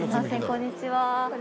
こんにちは。